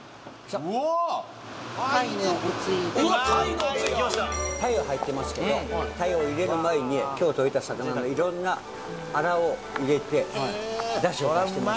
うわうわ鯛のおつゆ来ました鯛は入ってますけど鯛を入れる前に今日とれた魚の色んなアラを入れて出汁を出してます